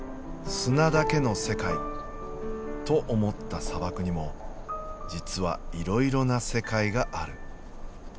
砂だけの世界と思った砂漠にも実はいろいろな世界がある。